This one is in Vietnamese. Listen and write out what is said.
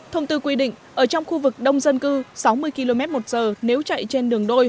thông tư quy định ở trong khu vực đông dân cư sáu mươi km một giờ nếu chạy trên đường đôi